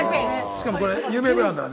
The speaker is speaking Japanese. しかもこれ有名ブランドなん